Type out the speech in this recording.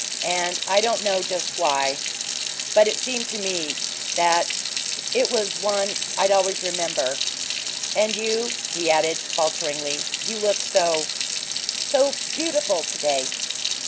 And I don't know just why but it's seemed to me that it was one I'd always remember. And you," he added, falteringly, "you look so so beautiful to day!"